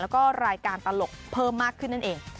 แล้วก็รายการตลกเพิ่มมากขึ้นนั่นเอง